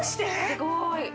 すごい！